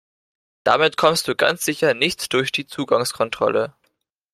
Damit kommst du ganz sicher nicht durch die Zugangskontrolle.